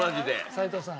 齋藤さん